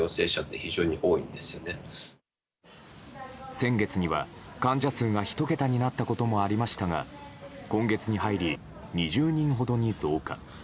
先月には、患者数が１桁になったこともありましたが今月に入り、２０人ほどに増加。